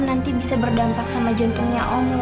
nanti bisa berdampak sama jantungnya om